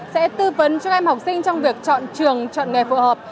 sẽ tư vấn cho em học sinh trong việc chọn trường chọn nghề phù hợp